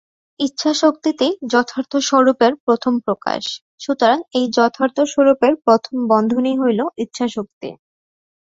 ইচ্ছাশক্তিতেই যথার্থ স্বরূপের প্রথম প্রকাশ, সুতরাং এই যথার্থ স্বরূপের প্রথম বন্ধনই হইল ইচ্ছাশক্তি।